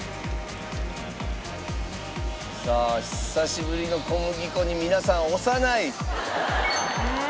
さあ久しぶりの小麦粉に皆さん押さない！ええ！